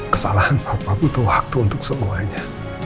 kesalahan apa butuh waktu untuk semuanya